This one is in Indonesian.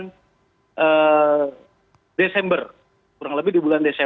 kapolres yang baru akbp yogi ini mengembban kurang lebih di bulan